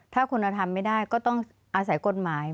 ถ้าคุณธรรมไม่ได้ก็ต้องอาศัยกฎหมาย